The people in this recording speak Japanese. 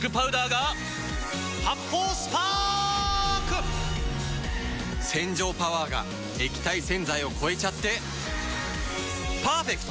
発泡スパーク‼洗浄パワーが液体洗剤を超えちゃってパーフェクト！